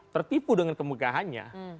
tertipu dengan kemukahannya